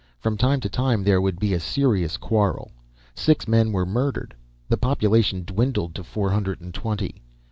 From time to time there would be a serious quarrel. Six men were murdered. The population dwindled to four hundred and twenty.